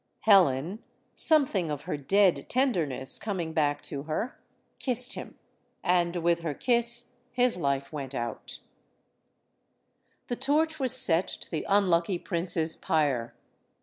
Helen, something of her dead tenderness coming back to her, kissed him. And, with her kiss, his life went out. HELEN OF TROY 81 The torch was set to the unlucky prince's pyre.